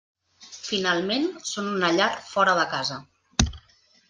Finalment, són una llar fora de casa.